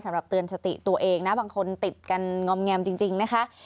เตือนสติตัวเองนะบางคนติดกันงอมแงมจริงนะคะ